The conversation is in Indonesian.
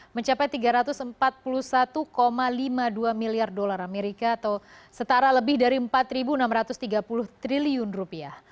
mencapai tiga ratus empat puluh satu lima puluh dua miliar dolar amerika atau setara lebih dari empat enam ratus tiga puluh triliun rupiah